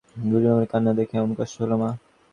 খুড়িমার কান্না দেখে এমন কষ্ট হল মা!